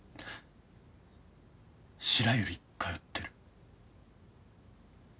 白百合通ってる。